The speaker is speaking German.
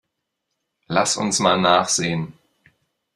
Lass uns mal nachsehen.